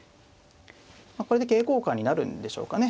これで桂交換になるんでしょうかね。